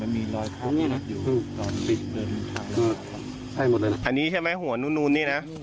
อันนี้ใช่ไหมหัวนูนนี่นะ